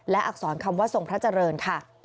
และอักษรคำว่าทรงพระเจริญค่ะ